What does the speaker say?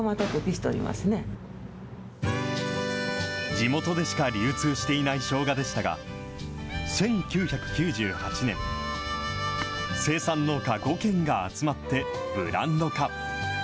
地元でしか流通していないしょうがでしたが、１９９８年、生産農家５軒が集まってブランド化。